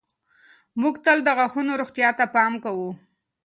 موږ تل د غاښونو روغتیا ته پام کوو.